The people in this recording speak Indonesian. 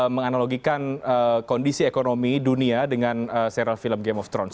menganalogikan kondisi ekonomi dunia dengan serial film game of thrones